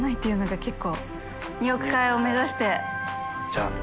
じゃあ。